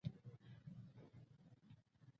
خدای مو دې حیا وساتي، ته وا آمین.